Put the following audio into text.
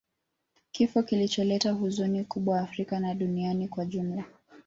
kifo kilicholeta huzuni kubwa Afrika na duniani kwa ujumla